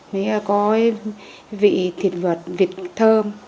mới có vị thịt vật vịt thơm